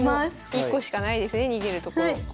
１個しかないですね逃げるとこ。